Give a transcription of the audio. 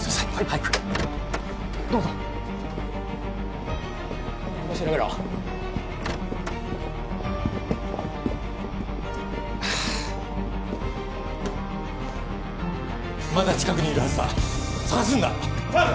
早くどうぞここ調べろああっまだ近くにいるはずだ捜すんだはい！